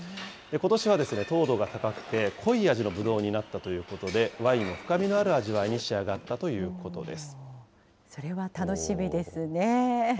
ことしは糖度が高くて、濃い味のぶどうになったということで、ワインも深みのある味わいに仕上がったということです。